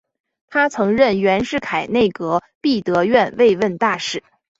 他曾任袁世凯内阁弼德院顾问大臣。